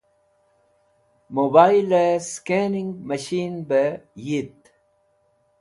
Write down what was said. Mobile "Scanning Machine" be Yit